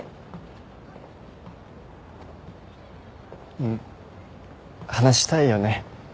うん話したいよね。